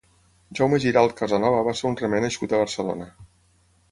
Jaume Giralt Casanova va ser un remer nascut a Barcelona.